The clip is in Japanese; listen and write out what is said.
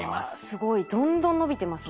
どんどん伸びてますね。